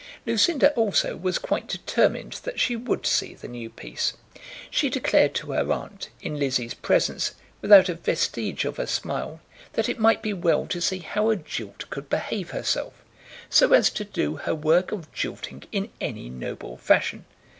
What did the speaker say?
Lucinda, also, was quite determined that she would see the new piece. She declared to her aunt, in Lizzie's presence, without a vestige of a smile, that it might be well to see how a jilt could behave herself, so as to do her work of jilting in any noble fashion.